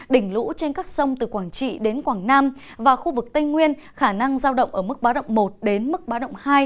đỉnh lũ trên các sông từ quảng trị đến quảng nam và khu vực tây nguyên khả năng giao động ở mức báo động một đến mức báo động hai